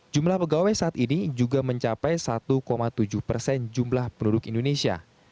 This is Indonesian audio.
jumlah pegawai saat ini juga mencapai satu tujuh persen jumlah penduduk indonesia